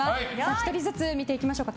１人ずつ見ていきましょうか。